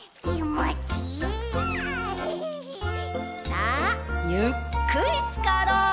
さあゆっくりつかろう！